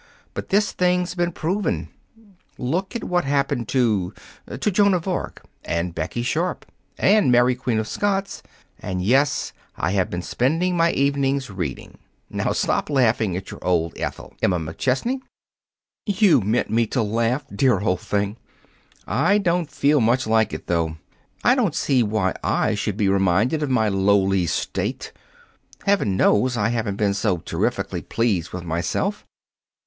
But this thing's been proven. Look at what happened to to Joan of Arc, and Becky Sharp, and Mary Queen of Scots, and yes, I have been spending my evenings reading. Now, stop laughing at your old Ethel, Emma McChesney!" "You meant me to laugh, dear old thing. I don't feel much like it, though. I don't see why I should be reminded of my lowly state. Heaven knows I haven't been so terrifically pleased with myself!